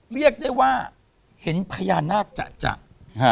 เรียกได้ว่าเห็นพญานาคแต่ที่จะยาก